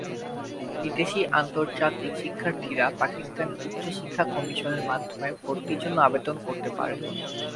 বিদেশী/আন্তর্জাতিক শিক্ষার্থীরা পাকিস্তানের উচ্চ শিক্ষা কমিশনের মাধ্যমে ভর্তির জন্য আবেদন করতে পারে।